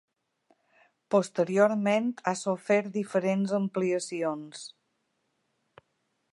Posteriorment ha sofert diferents ampliacions.